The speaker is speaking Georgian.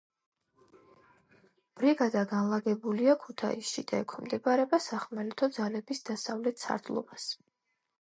ბრიგადა განლაგებულია ქუთაისში და ექვემდებარება სახმელეთო ძალების დასავლეთ სარდლობას.